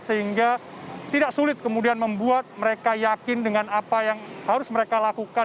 sehingga tidak sulit kemudian membuat mereka yakin dengan apa yang harus mereka lakukan